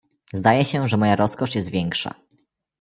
"Zdaje się, że moja rozkosz jest większa."